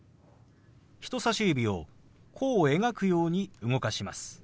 人さし指を弧を描くように動かします。